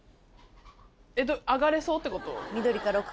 上がれそうってこと？